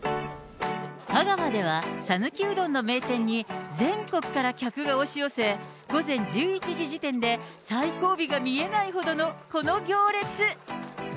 香川ではさぬきうどんの名店に、全国から客が押し寄せ、午前１１時時点で最後尾が見えないほどのこの行列。